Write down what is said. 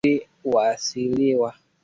wanyama wengi kwenye kundi huathiriwa